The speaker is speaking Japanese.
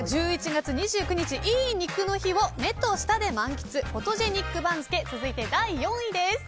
１１月２９日、いい肉の日を目と舌で満喫、フォトジェ肉番付続いて第４位です。